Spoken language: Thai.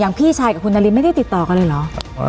พี่ชายกับคุณนารินไม่ได้ติดต่อกันเลยเหรอ